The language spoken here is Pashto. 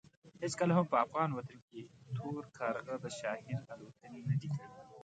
هېڅکله هم په افغان وطن کې تور کارغه د شاهین الوتنې نه دي کړې.